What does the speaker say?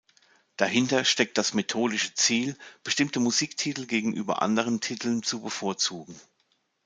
Dahinter steckt das methodische Ziel, bestimmte Musiktitel gegenüber anderen Titeln zu bevorzugen.